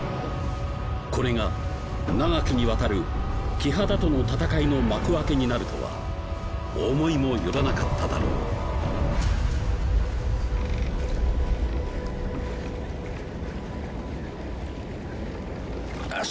これが長きにわたるキハダとの戦いの幕開けになるとは思いもよらなかっただろうよし！